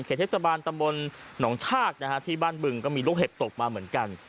เทศบาลตำบลหนองชากนะฮะที่บ้านบึงก็มีลูกเห็บตกมาเหมือนกัน